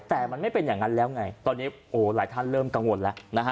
แต่มันไม่เป็นอย่างนั้นแล้วไงตอนนี้โอ้หลายท่านเริ่มกังวลแล้วนะฮะ